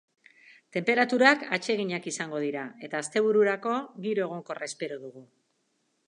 Tenperaturak atseginak izango dira eta astebururako, giro egonkorra espero dugu.